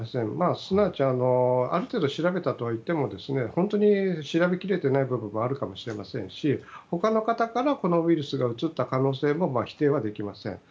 すなわちある程度調べたとはいっても本当に調べ切れていない部分もあるかもしれませんし他の方からこのウイルスがうつった可能性も否定はできません。